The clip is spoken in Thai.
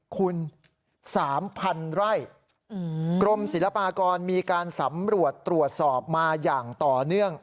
คุณ๓๐๐๐ไร่กรมศิลปากรมีการสำรวจตรวจสอบมาอย่างต่อเนื่อง